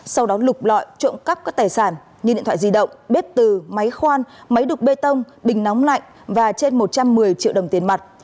sau đó lục lọi trộm cắp các tài sản như điện thoại di động bếp từ máy khoan máy đục bê tông bình nóng lạnh và trên một trăm một mươi triệu đồng tiền mặt